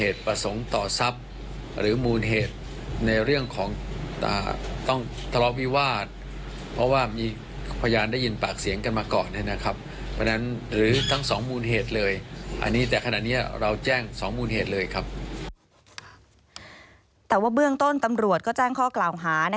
แต่ว่าเบื้องต้นตำรวจก็แจ้งข้อกล่าวหา